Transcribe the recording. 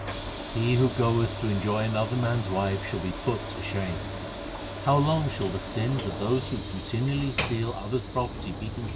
8 He who goeth to enjoy another s wife shall be put to shame. How long shall the sins of those who continually steal others property be concealed